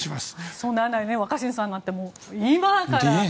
そうならないように若新さんなんて今から。